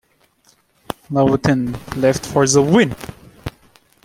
Lewitinn left for The Win!